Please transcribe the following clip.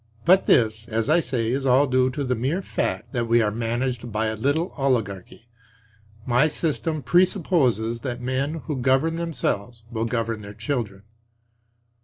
But this, as I say, is all due to the mere fact that we are managed by a little oligarchy; my system presupposes that men who govern themselves will govern their children.